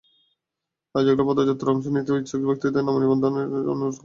আয়োজকেরা পদযাত্রায় অংশ নিতে ইচ্ছুক ব্যক্তিদের নাম নিবন্ধনের জন্য অনুরোধ করেছেন।